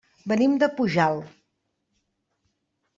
Venim de Pujalt.